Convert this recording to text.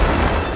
aku akan menang